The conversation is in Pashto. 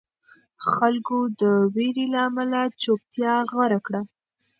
خلکو د وېرې له امله چوپتیا غوره کړه.